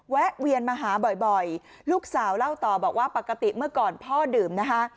แวะเวียนมาหาบ่อยลูกสาวเล่าต่อบอกว่าปกติเมื่อก่อนพ่อดื่มนะคะ